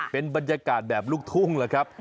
เป็นบรรยากาศแบบลูกทุ่งแหละครับ